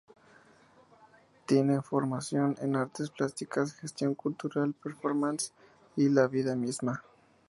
Tiene formación en artes plásticas, gestión cultural, performance y la vida misma.